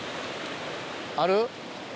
ある？